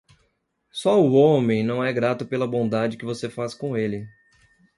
Só o homem não é grato pela bondade que você faz com ele.